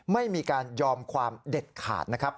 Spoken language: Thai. ไม่มีการยอมความเด็ดขาดนะครับ